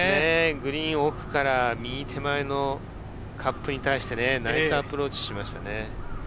グリーン奥から右手前のカップに対して、ナイスアプローチをしましたね。